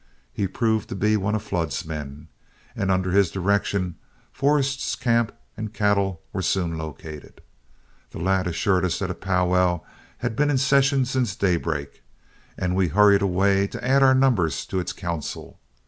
He proved to be one of Flood's men, and under his direction Forrest's camp and cattle were soon located. The lad assured us that a pow wow had been in session since daybreak, and we hurried away to add our numbers to its council.